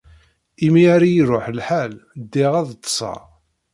Imi ay iṛuḥ lḥal, ddiɣ ad ḍḍseɣ.